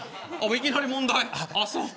いきなり問題。